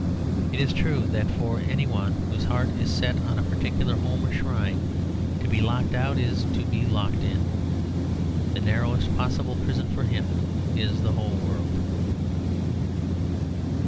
It is true that for any one whose heart is set on a particular home or shrine, to be locked out is to be locked in. The narrowest possible prison for him is the whole world.